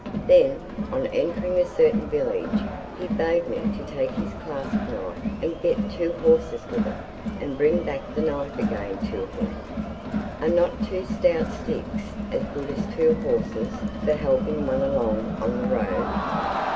Then, on entering a certain village, he bade me take his clasp knife and get two horses with it, and bring back the knife again to him." "Are not two stout sticks as good as two horses for helping one along on the road?